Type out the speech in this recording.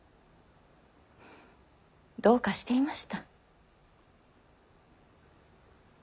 どうかしていました。